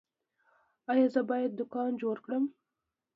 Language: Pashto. ایا زه باید دوکان جوړ کړم؟